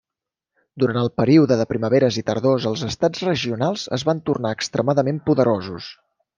Durant el període de Primaveres i Tardors els estats regionals es van tornar extremadament poderosos.